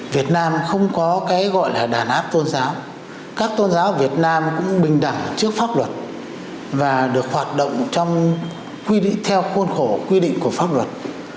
việt nam không có cái gọi là đàn áp tôn giáo các tôn giáo việt nam cũng bình đẳng trước pháp luật và được hoạt động trong khuôn khổ quy định của pháp luật